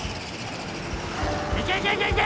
・いけいけいけいけ！